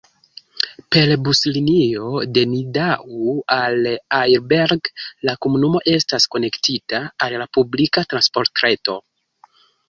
Per buslinio de Nidau al Aarberg la komunumo estas konektita al la publika transportreto.